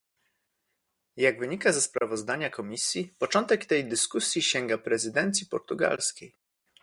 Jak wynika ze sprawozdania Komisji, początek tej dyskusji sięga prezydencji portugalskiej